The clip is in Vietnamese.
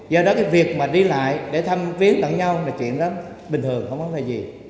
do đó cái việc mà đi lại để thăm viết lẫn nhau là chuyện đó bình thường không có cái gì